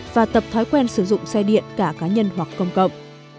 và tập thói quen sử dụng xe điện cả cá nhân hoặc công cộng